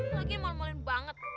lagian mol molin banget